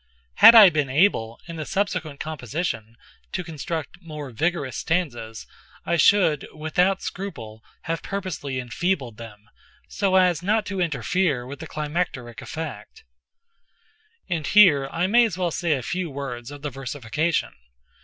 Had I been able, in the subsequent composition, to construct more vigorous stanzas, I should, without scruple, have purposely enfeebled them, so as not to interfere with the climacteric effect. And here I may as well say a few words of the versification.